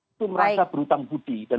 itu merasa berhutang budi dan